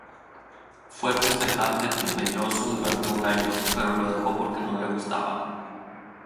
Fue concejal de Tomelloso durante un año, pero lo dejó porque no le gustaba.